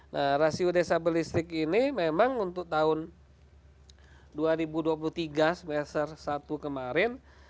nah rasio desa berlistrik ini memang untuk tahun dua ribu dua puluh tiga semester satu kemarin